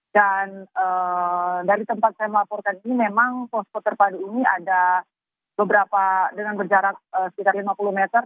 dan dari tempat saya melaporkan ini memang pos pos terpadu ini ada beberapa dengan berjarak sekitar lima puluh meter